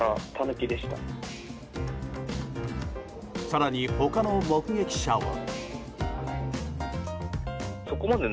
更に他の目撃者は。